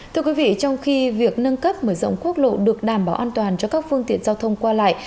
trong khi việc nâng cấp mở rộng quốc lộ được đảm bảo an toàn cho các phương tiện giao thông qua lại